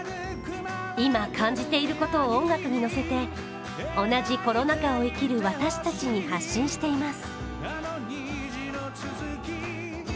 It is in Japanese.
今感じていることを音楽に乗せて同じコロナ禍を生きる私たちに発信しています。